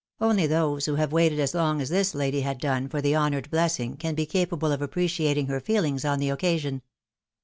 Only those who have waited as long as this lady had done for the honoured blessing can be capable of ap preciating her feelings on the occasion.